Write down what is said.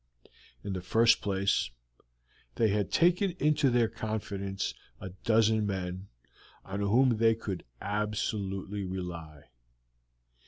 In the first place, they had taken into their confidence a dozen men on whom they could absolutely rely.